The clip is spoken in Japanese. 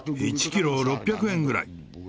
１キロ６００円ぐらい。